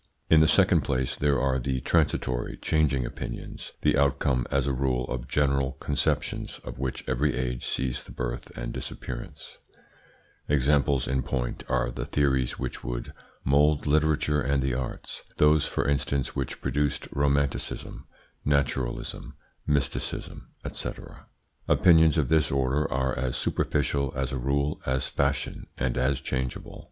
In the second place, there are the transitory, changing opinions, the outcome, as a rule, of general conceptions, of which every age sees the birth and disappearance; examples in point are the theories which mould literature and the arts those, for instance, which produced romanticism, naturalism, mysticism, &c. Opinions of this order are as superficial, as a rule, as fashion, and as changeable.